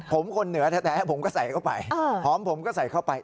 ผมคนเหนือแท้ผมก็ใส่เข้าไปหอมผมก็ใส่เข้าไป